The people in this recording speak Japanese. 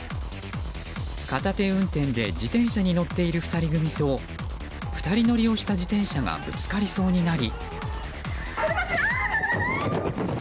片手運転で自転車に乗っている２人組と２人乗りをした自転車がぶつかりそうになり。